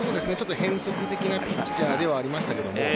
変則的なピッチャーではありましたよ。